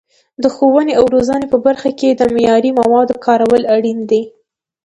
د ښوونې او روزنې په برخه کې د معیاري موادو کارول اړین دي.